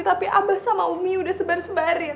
tapi abah sama umi udah sebar sebarin